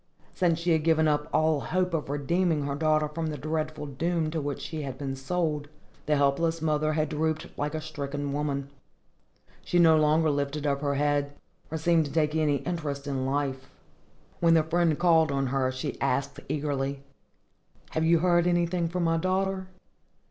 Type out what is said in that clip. Since she had given up all hope of redeeming her daughter from the dreadful doom to which she had been sold, the helpless mother had drooped like a stricken woman. She no longer lifted up her head, or seemed to take any interest in life. When the friend called on her, she asked, eagerly, "Have you heard anything from my daughter?"